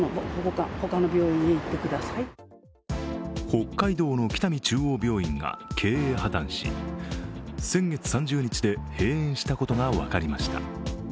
北海道の北見中央病院が経営破綻し、先月３０日で閉院したことが分かりました。